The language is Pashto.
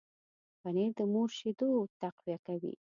پنېر د مور شیدو تقویه کوي.